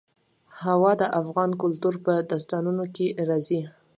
هوا د افغان کلتور په داستانونو کې راځي.